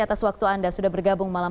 atas waktu anda sudah bergabung malam